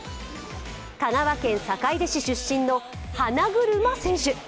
香川県坂出市の出身の花車選手。